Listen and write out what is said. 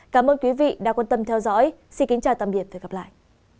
cảm ơn quý vị đã quan tâm theo dõi xin kính chào tạm biệt và hẹn gặp lại